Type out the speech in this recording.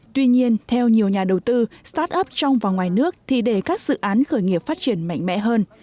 tuy nhiên theo nhiều nhà đầu tư start up trong và ngoài nước thì để các dự án khởi nghiệp phát triển mạnh mẽ hơn